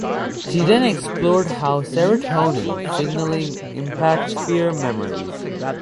She then explored how serotonin signalling impacts fear memories.